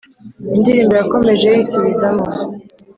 Indirimbo yakomeje yisubizamo